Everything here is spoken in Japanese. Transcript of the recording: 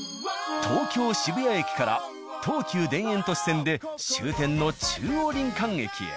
東京・渋谷駅から東急田園都市線で終点の中央林間駅へ。